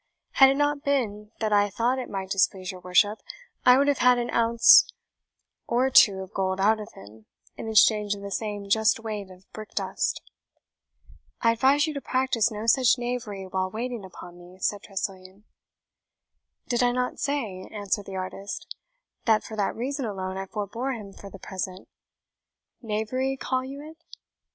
Had it not been that I thought it might displease your worship, I would have had an ounce or two of gold out of him, in exchange of the same just weight of brick dust." "I advise you to practise no such knavery while waiting upon me," said Tressilian. "Did I not say," answered the artist, "that for that reason alone I forbore him for the present? Knavery, call you it?